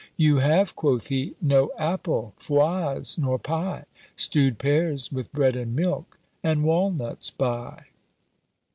"You have," quoth he, "no apple, froise, nor pie, Stewed pears, with bread and milk, and walnuts by."